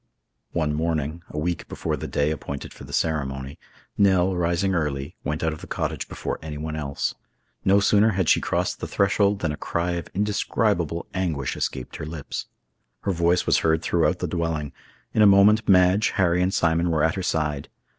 One morning, a week before the day appointed for the ceremony, Nell, rising early, went out of the cottage before anyone else. No sooner had she crossed the threshold than a cry of indescribable anguish escaped her lips. Her voice was heard throughout the dwelling; in a moment, Madge, Harry, and Simon were at her side.